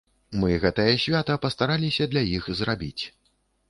Мы гэтае свята пастараліся для іх зрабіць.